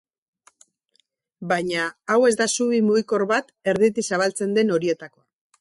Baina hau ez da zubi mugikor bat, erditik zabaltzen den horietakoa.